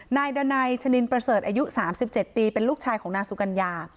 นายดันัยชนินประเสริฐอายุ๓๗ปีเป็นลูกชายของนางสุกัญญา